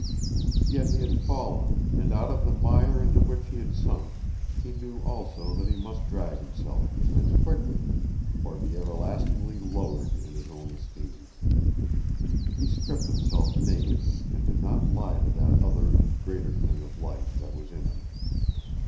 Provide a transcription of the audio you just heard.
Yet he had fallen, and out of the mire into which he had sunk he knew also that he must drag himself, and quickly, or be everlastingly lowered in his own esteem. He stripped himself naked and did not lie to that other and greater thing of life that was in him.